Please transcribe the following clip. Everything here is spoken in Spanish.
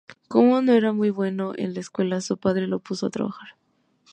Como no era muy bueno en la escuela, su padre lo puso a trabajar.